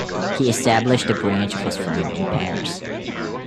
He established a branch of his firm in Paris.